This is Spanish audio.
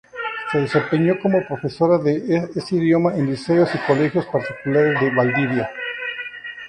Se desempeñó como profesora de ese idioma en liceos y colegios particulares de Valdivia.